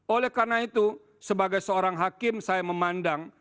oleh karena itu sebagai seorang hakim saya memandang